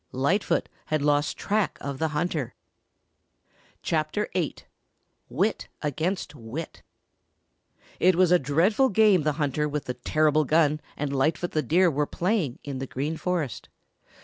Lightfoot had lost track of the hunter. CHAPTER VIII WIT AGAINST WIT It was a dreadful game the hunter with the terrible gun and Lightfoot the Deer were playing in the Green Forest.